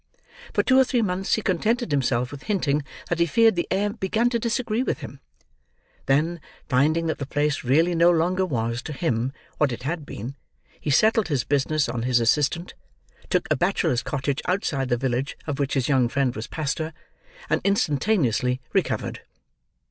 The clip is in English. For two or three months, he contented himself with hinting that he feared the air began to disagree with him; then, finding that the place really no longer was, to him, what it had been, he settled his business on his assistant, took a bachelor's cottage outside the village of which his young friend was pastor, and instantaneously recovered.